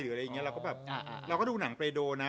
เราก็ดูหนังเปรดโดว์นะ